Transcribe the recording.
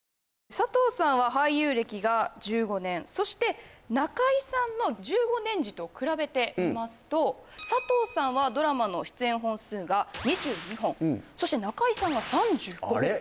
佐藤さんは俳優歴が１５年そして中居さんの１５年時と比べてみますと佐藤さんはドラマの出演本数が２２本そして中居さんは３５本あれ？